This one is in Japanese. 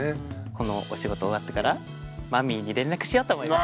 このお仕事終わってからマミーに連絡しようと思います。